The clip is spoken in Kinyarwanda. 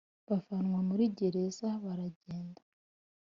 bavanwa muri gereza baragenda